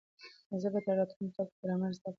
زه به تر راتلونکي کاله ګرامر زده کړم.